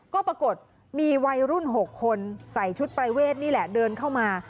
ก็ปรากฏมีวัยรุ่น๖คนใส่ชุดปรายเวทนี่แหละเดินเข้ามา